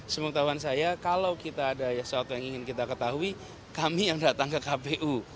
sepengetahuan saya kalau kita ada sesuatu yang ingin kita ketahui kami yang datang ke kpu